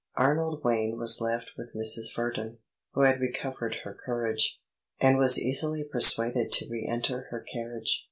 Arnold Wayne was left with Mrs. Verdon, who had recovered her courage, and was easily persuaded to re enter her carriage.